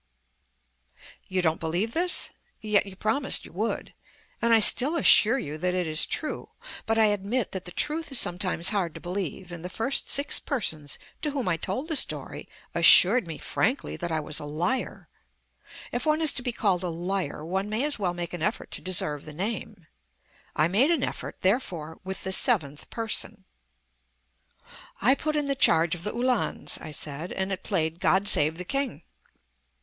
You don't believe this? Yet you promised you would ... and I still assure you that it is true. But I admit that the truth is sometimes hard to believe, and the first six persons to whom I told the story assured me frankly that I was a liar. If one is to be called a liar, one may as well make an effort to deserve the name. I made an effort, therefore, with the seventh person. "I put in 'The Charge of the Uhlans,'" I said, "and it played 'God Save the King.'"